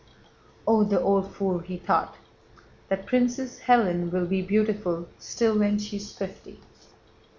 "Oh, the old fool," he thought. "That Princess Hélène will be beautiful still when she's fifty."